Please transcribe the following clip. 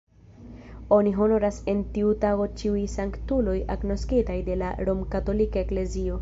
Oni honoras en tiu tago ĉiuj sanktuloj agnoskitaj de la romkatolika eklezio.